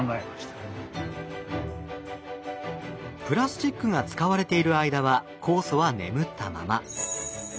プラスチックが使われている間は酵素は眠ったまま。